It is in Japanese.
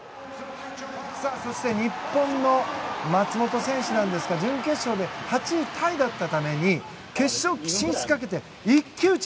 そして日本の松元選手ですが準決勝で８位タイだったために決勝進出をかけて一騎打ち。